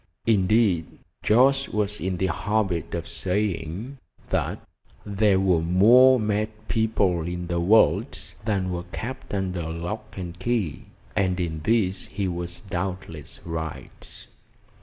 Indeed, Jorce was in the habit of saying that "There were more mad people in the world than were kept under lock and key," and in this he was doubtless right.